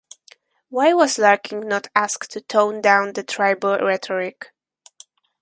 Why was Larkin not asked to tone down the tribal rhetoric?